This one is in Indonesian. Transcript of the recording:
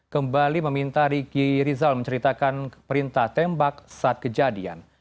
kembali meminta riki rizal menceritakan perintah tembak saat kejadian